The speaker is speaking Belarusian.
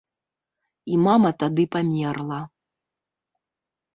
І мама тады памерла.